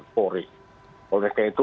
polri oleh karena itu